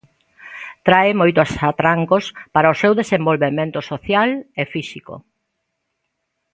Trae moitos atrancos para o seu desenvolvemento social e físico.